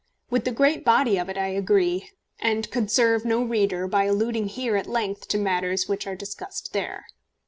With the great body of it I agree, and could serve no reader by alluding here at length to matters which are discussed there.